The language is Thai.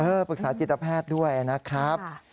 ปรึกษาจิตแพทย์ด้วยนะครับ